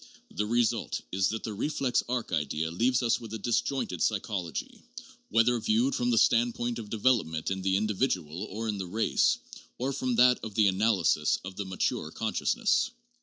The result is that the reflex arc idea leaves us with a disjointed psychology, whether viewed from the standpoint of development in the individual or in the race, or from that of the analysis of the mature consciousness.